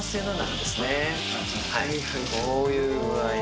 こういう具合で。